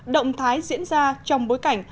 động thái diễn ra trong bối cảnh